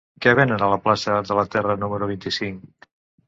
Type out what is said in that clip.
Què venen a la plaça de la Terra número vint-i-cinc?